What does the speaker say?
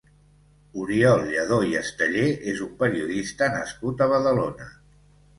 Oriol Lladó i Esteller és un periodista nascut a Badalona.